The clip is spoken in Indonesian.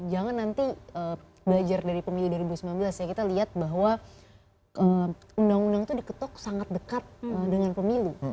jangan nanti belajar dari pemilu dua ribu sembilan belas ya kita lihat bahwa undang undang itu diketok sangat dekat dengan pemilu